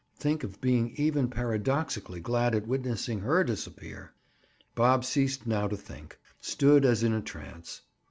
Think of being even paradoxically glad at witnessing her disappear! Bob ceased now to think; stood as in a trance.